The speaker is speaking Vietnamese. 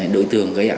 đối tượng gây án